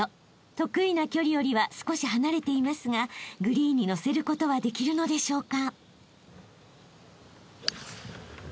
［得意な距離よりは少し離れていますがグリーンにのせることはできるのでしょうか？］